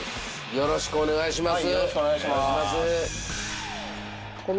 よろしくお願いします。